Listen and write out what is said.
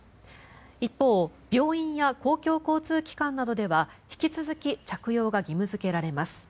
一方、病院や公共交通機関などでは引き続き着用が義務付けられます。